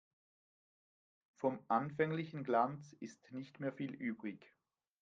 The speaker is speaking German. Vom anfänglichen Glanz ist nicht mehr viel übrig.